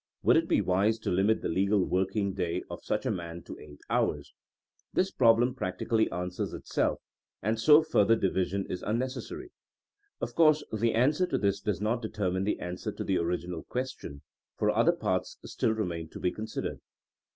Would it be wise to limit the legal working day of such a man to eight hours? This problem practically answers itself, and so further division is unnecessary. Of course the answer to this does not determine the answer to the original question, for other parts still re main to be considered.